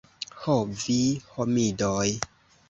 Ho vi homidoj!